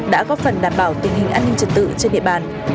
đã góp phần đảm bảo tình hình an ninh trật tự trên địa bàn